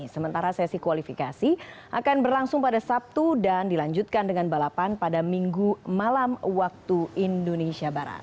sementara sesi kualifikasi akan berlangsung pada sabtu dan dilanjutkan dengan balapan pada minggu malam waktu indonesia barat